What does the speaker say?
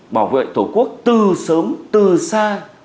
bảo vệ tổ quốc từ sớm từ xa